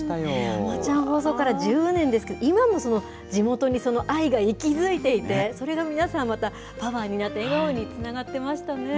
あまちゃん放送から１０年ですけど、今も地元に愛が息づいていて、それが皆さん、またパワーになって、笑顔につながってましたね。